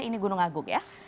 ini gunung agung ya